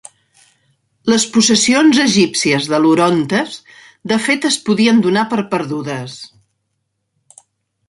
Les possessions egípcies de l'Orontes de fet es podien donar per perdudes.